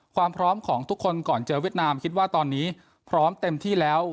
ความพร้อมของทุกคนก่อนเจอเวียดนามคิดว่าตอนนี้พร้อมเต็มที่แล้ว